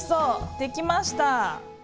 できました！